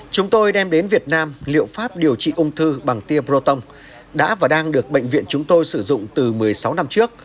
chúng tôi đem đến việt nam liệu pháp điều trị ung thư bằng tia proton đã và đang được bệnh viện chúng tôi sử dụng từ một mươi sáu năm trước